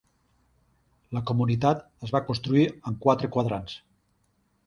La comunitat es va construir en quatre quadrants.